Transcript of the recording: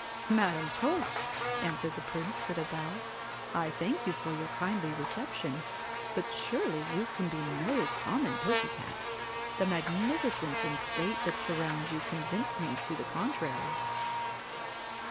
4 Madam Puss !' answered the Prince, with a bow, ' I thank you for your kindly reception ; but surely you can be no common pussy cat. The magnifi cence and state that surround you convince me to the contrary.'